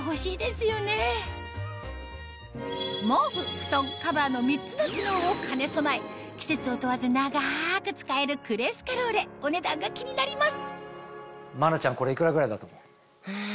布団カバーの３つの機能を兼ね備え季節を問わず長く使えるクレスカローレお値段が気になります